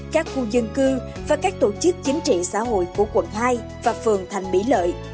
các khu dân cư và các tổ chức chính trị xã hội của quận hai và phường thành mỹ lợi